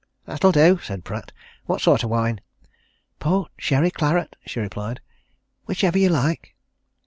"That'll do," said Pratt. "What sort of wine?" "Port, sherry, claret," she replied. "Whichever you like."